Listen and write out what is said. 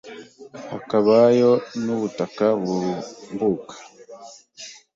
hakabayo n’ubutaka burumbuka.